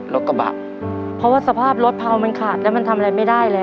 รถกระบะเพราะว่าสภาพรถเผามันขาดแล้วมันทำอะไรไม่ได้แล้ว